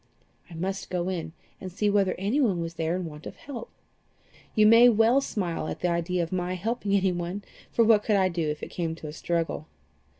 I must go in, and see whether anyone was there in want of help. You may well smile at the idea of my helping anyone, for what could I do if it came to a struggle?"